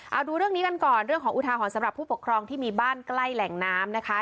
เอาดูเรื่องนี้กันก่อนเรื่องของอุทาหรณ์สำหรับผู้ปกครองที่มีบ้านใกล้แหล่งน้ำนะคะ